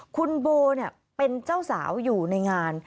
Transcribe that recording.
คุณโบเป็นเจ้าสาวอยู่ในงาน